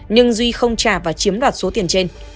nhưng duy không trả và chiếm đoạt số tiền trên